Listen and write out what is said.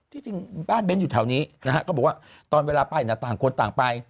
จริงบ้านเบ้นอยู่แถวนี้นะฮะก็บอกว่าตอนเวลาไปต่างคนต่างไป